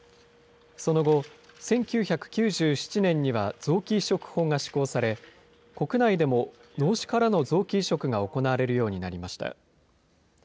その後、１９９７年には臓器移植法が施行され、国内でも脳死からの臓器移植が行われるようになりました。